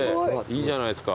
いいじゃないですか。